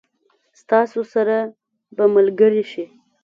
ستاسو سره به ملګري شي.